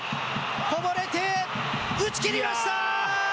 こぼれて、打ちきりました。